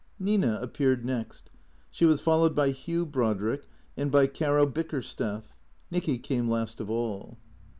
Nina appeared next. She was followed by Hugh Brodrick and by Caro Bickersteth. Nicky came last of all.